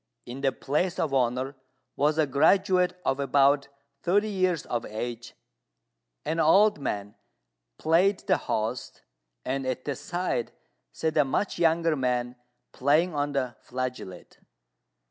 In the place of honour was a graduate of about thirty years of age; an old man played the host, and at the side sat a much younger man playing on the flageolet.